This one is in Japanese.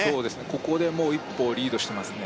ここでもう一歩リードしてますね